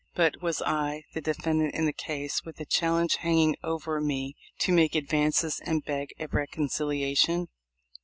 But was I, the defendant in the case, with a challenge hanging over me, to make advances, and beg a reconciliation